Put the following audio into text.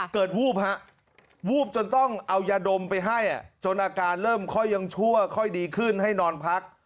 วูบฮะวูบจนต้องเอายาดมไปให้จนอาการเริ่มค่อยยังชั่วค่อยดีขึ้นให้นอนพัก